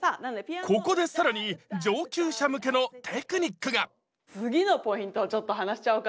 ここで更に上級者向けのテクニックが次のポイントをちょっと話しちゃおうかなと。